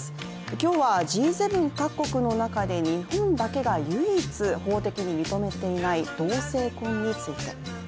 今日はＧ７各国で日本だけが唯一法的に認めていない同性婚について。